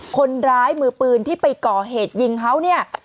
คนร้ายมือปืนที่ไปก่อเหตุยิงเขาเนี่ย